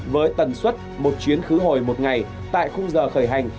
với tần suất một chuyến khứ hồi một ngày tại khung giờ khởi hành